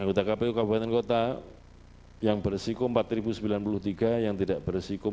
anggota kpu kabupaten kota yang berisiko empat sembilan puluh tiga yang tidak berisiko tiga puluh tiga tujuh ratus sepuluh